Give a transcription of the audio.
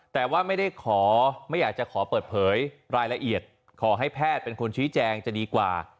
แต่ว่าไม่ได้ขอไม่อยากจะขอเปิดเผยรายละเอียดขอให้แพทย์เป็นคนชี้แจงจะดีกว่า